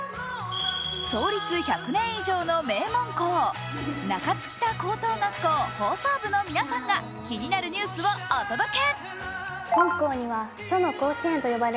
創立１００年以上の名門校、中津北高等学校放送部の皆さんが気になるニュースをお届け。